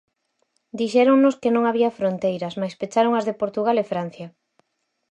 Dixéronnos que non había fronteiras, mais pecharon as de Portugal e Francia.